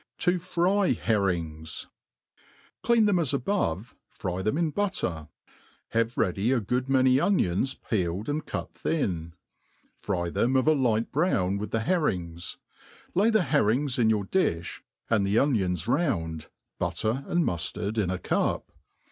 To fry Herrings* CLEAN them as above, fry them in butter ; have ready a |;ood.raaoy onions peeled and cut thin; fry them of a light brown with the herrings ; lay the herrings in your di(b, and the onions round, butter and muftard in a cup.